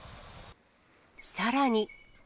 さらに。